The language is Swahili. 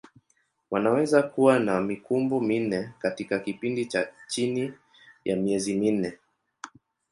Wanaweza kuwa na mikumbo minne katika kipindi cha chini ya miezi minne.